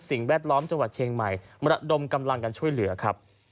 แวดล้อมจังหวัดเชียงใหม่มาระดมกำลังกันช่วยเหลือครับ